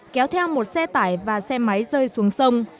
kéo theo một xe tải và xe máy rơi xuống sông